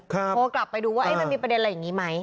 โทรกลับไปดูว่ามันมีประเด็นอะไรอย่างนี้ไหม